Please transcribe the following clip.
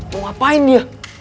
mau ngapain dia